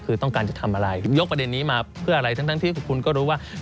ก็เกิดจากไปยุ่งกับเงินทั้งนั้นละ